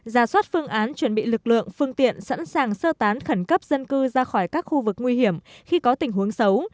giả soát phương án chuẩn bị lực lượng phương tiện sẵn sàng sơ tán khẩn cấp dân cư ra khỏi các khu vực nguy hiểm khi có tình huống xấu